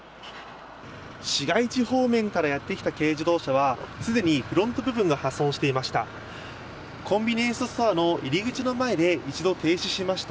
市街地方面からやってきた軽自動車はすでにフロント部分が破損していました。